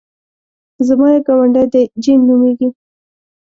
زما یو ګاونډی دی جین نومېږي.